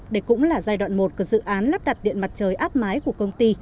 đây cũng là giai đoạn một của dự án lắp đặt điện mặt trời áp mái của công ty